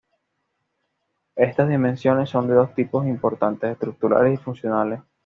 Estas dimensiones son de dos tipos importantes: estructurales y funcionales.